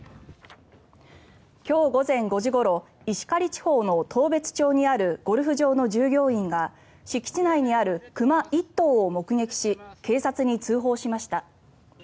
今日午前５時ごろ石狩地方の当別町にあるゴルフ場の従業員が敷地内にいる熊１頭を目撃し警察に通報しました。